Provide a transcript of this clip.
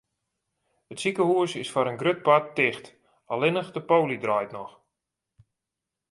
It sikehûs is foar in grut part ticht, allinnich de poly draait noch.